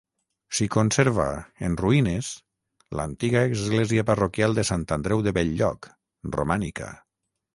S'hi conserva, en ruïnes, l'antiga església parroquial de Sant Andreu de Bell-lloc, romànica.